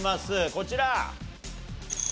こちら！